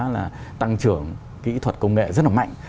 là tăng trưởng kỹ thuật công nghệ rất là mạnh